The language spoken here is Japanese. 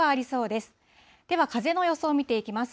では風の予想を見ていきます。